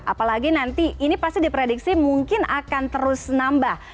apalagi nanti ini pasti diprediksi mungkin akan terus nambah